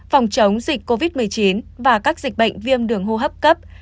phòng chống dịch covid một mươi chín và các dịch bệnh viêm đường hô hấp cấp